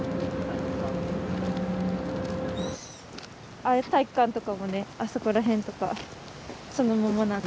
ああいう体育館とかもねあそこら辺とかそのままなんで。